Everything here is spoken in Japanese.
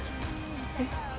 えっ？